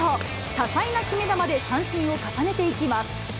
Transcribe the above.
多彩な決め球で三振を重ねていきます。